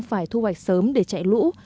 phải thu hoạch sớm để chạy lũ